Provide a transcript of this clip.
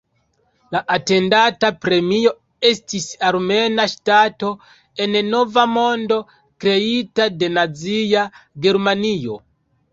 La atendata premio estis armena ŝtato en nova mondo kreita de Nazia Germanio.